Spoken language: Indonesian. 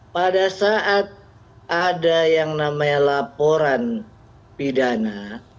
pada saat ada yang namanya laporan pidana